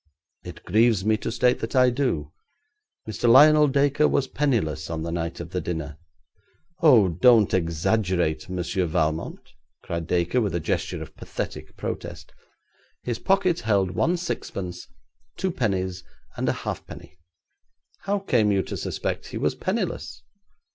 'It grieves me to state that I do. Mr. Lionel Dacre was penniless on the night of the dinner.' 'Oh, don't exaggerate, Monsieur Valmont,' cried Dacre with a gesture of pathetic protest; 'his pocket held one sixpence, two pennies, and a halfpenny. How came you to suspect he was penniless?'